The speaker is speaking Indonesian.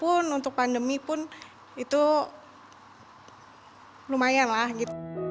pun untuk pandemi pun itu lumayan lah gitu